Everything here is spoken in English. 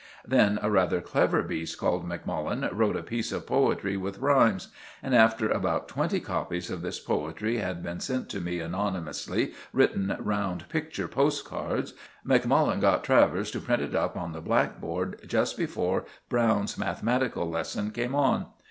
Then a rather clever beast called Macmullen wrote a piece of poetry with rhymes, and after about twenty copies of this poetry had been sent to me anonymously written round picture postcards, Macmullen got Travers to print it up on the blackboard just before Browne's mathematical lesson came on.